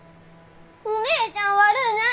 お姉ちゃん悪うない！